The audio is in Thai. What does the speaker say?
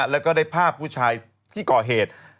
แล้วก็ได้ภาพผู้ชายที่ก่อเหตุ